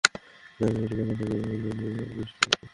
জানেনই তো, জঙ্গলটা জীব-জন্তু আর বিষ্ঠায় ভর্তি।